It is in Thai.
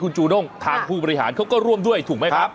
จูด้งทางผู้บริหารเขาก็ร่วมด้วยถูกไหมครับ